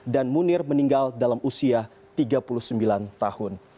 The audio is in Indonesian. dan munir meninggal dalam usia tiga puluh sembilan tahun